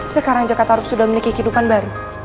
sekarang jakarta sudah memiliki kehidupan baru